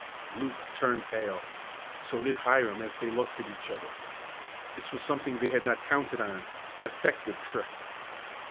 Luke turned pale. So did Hiram as they looked at each other. This was something they had not counted on an effective trick.